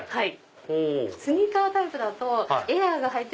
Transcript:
はい。